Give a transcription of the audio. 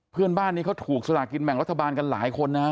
เพื่อนบ้านนี้เขาถูกสลากินแบ่งรัฐบาลกันหลายคนนะฮะ